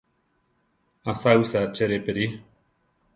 ¿Asáwisa che rʼe perí?